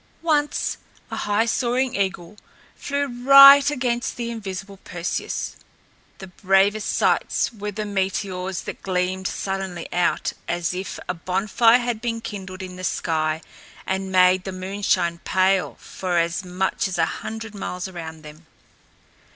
Once a high soaring eagle flew right against the invisible Perseus. The bravest sights were the meteors that gleamed suddenly out as if a bonfire had been kindled in the sky and made the moonshine pale for as much as a hundred miles around them.